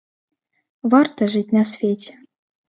Варта жыць на свеце!